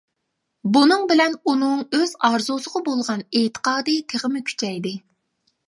بۇنىڭ بىلەن ئۇنىڭ ئۆز ئارزۇسىغا بولغان ئېتىقادى تېخىمۇ كۈچەيدى.